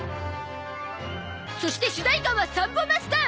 そして主題歌はサンボマスター